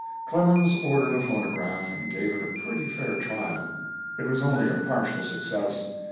Clemens ordered a phonograph and gave it a pretty fair trial. It was only a partial success.